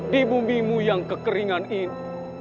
di bumimu yang kekeringan ini